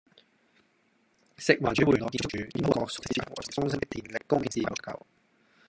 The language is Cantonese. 食環署會聯絡建築署，檢討各熟食市場和熟食中心的電力供應是否足夠